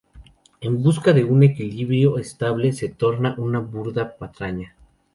en busca de un equilibrio estable, se torna una burda patraña